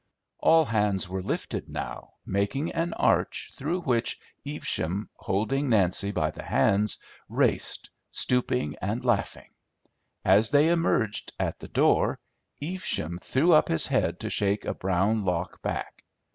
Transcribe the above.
All hands were lifted now, making an arch through which Evesham, holding Nancy by the hands, raced, stooping and laughing. As they emerged at the door, Evesham threw up his head to shake a brown lock back.